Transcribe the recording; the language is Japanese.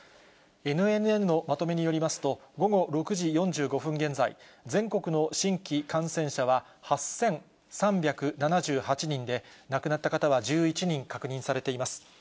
ＮＮＮのまとめによりますと、午後６時４５分現在、全国の新規感染者は８３７８人で、亡くなった方は１１人確認されています。